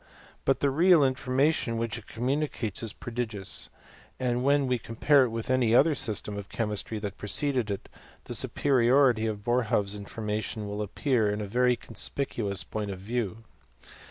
But the real informa tion which it communicates is prodigious, and when we compare it with any other system of chemistry that preceded it, the superiority of Boerhaave's information will appear in a very conspicuous point of view.